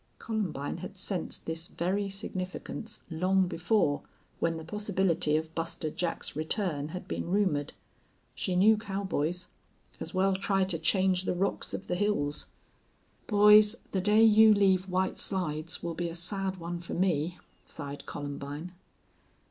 Columbine had sensed this very significance long before when the possibility of Buster Jack's return had been rumored. She knew cowboys. As well try to change the rocks of the hills! "Boys, the day you leave White Slides will be a sad one for me," sighed Columbine.